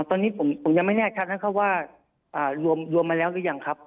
ตอนนี้ผมยังไม่แน่ชัดนะครับว่ารวมมาแล้วหรือยังครับ